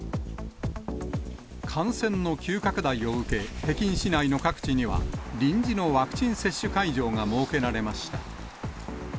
感染の急拡大を受け、北京市内の各地には、臨時のワクチン接種会場が設けられました。